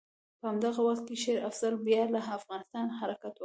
په همدغه وخت کې شېر افضل بیا له افغانستانه حرکت وکړ.